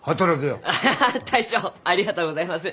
アハハ大将ありがとうございます！